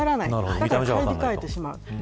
だから買い控えてしまう。